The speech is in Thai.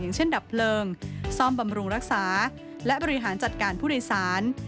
อย่างเช่นดับเพลิงซ่อมบำรุงรักษาและบริหารจัดการผู้โดยสาร